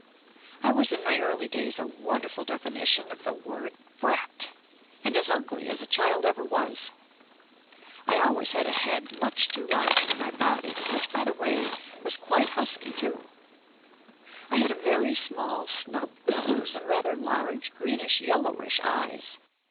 I was in my early days a wonderful definition of the word "brat" and as ugly as a child ever was. I always had a head much too large for my body, which, by the way, was quite husky too. I had a very small snub nose and rather large greenish yellowish eyes.